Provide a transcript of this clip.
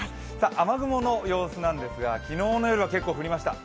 雨雲の様子なんですが昨日の夜は結構降りました。